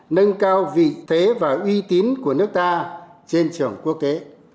nâng cao vị thế và uy tín của nước ta trên trường quốc tế